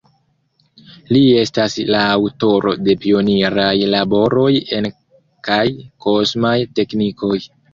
Li estas la aŭtoro de pioniraj laboroj en kaj kosmaj teknikoj.